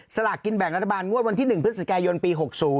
สลากกินแบ่งรัฐบาลงวดวันที่๑พฤศจิกายนปี๖๐